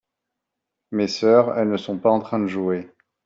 Mes sœurs, elles ne sont pas en train de jouer.